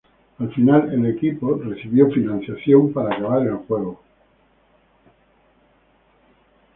Al final, el equipo recibió financiamiento para acabar el juego.